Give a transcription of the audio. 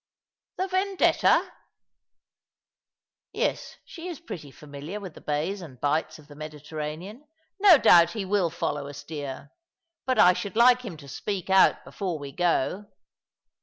" The Vendetta ? Yes, she is pretty familiar with the bays and bights of the Mediterranean. No doubt he will follow us, dear. But I should like him to speak out before we go."